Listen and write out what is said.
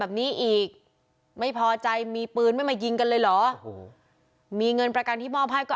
แบบนี้อีกไม่พอใจมีปืนไม่มายิงกันเลยเหรอโอ้โหมีเงินประกันที่มอบให้ก็